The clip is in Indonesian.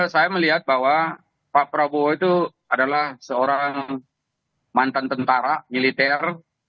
saya melihat bahwa pak prabowo itu adalah seorang mantan tentara militer